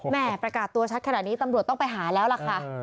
ประกาศตัวชัดขนาดนี้ตำรวจต้องไปหาแล้วล่ะค่ะ